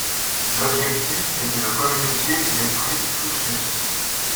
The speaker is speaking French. L’objectif était de communiquer l’esprit Fluxus.